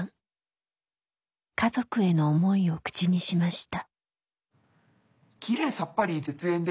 家族への思いを口にしました。